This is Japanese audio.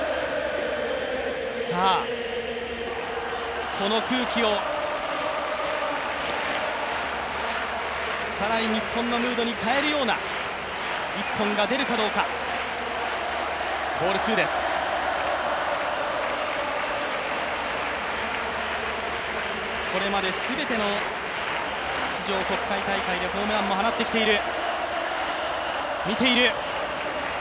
さあ、この空気を更に日本のムードに変えるような１本が出るかどうかこれまで全ての出場国際大会でホームランも放ってきている。